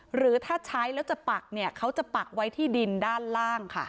หรือถ้าใช้แล้วจะปักเนี่ยเขาจะปักไว้ที่ดินด้านล่างค่ะ